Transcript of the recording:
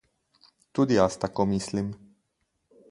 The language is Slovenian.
Tudi jaz tako mislim.